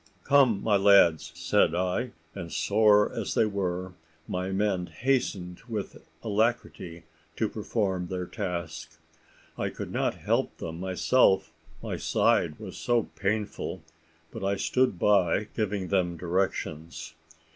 "Come, my lads," said I: and sore as they were, my men hastened with alacrity to perform their task. I could not help them myself, my side was so painful; but I stood by giving them directions.